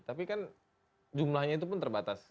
tapi kan jumlahnya itu pun terbatas